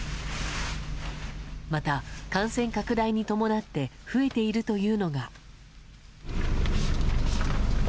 また感染拡大に伴って、増えているというのが。